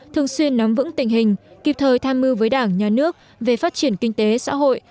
thường xuyên nắm vững tình hình kịp thời tham mưu với đảng nhà nước về phát triển kinh tế xã hội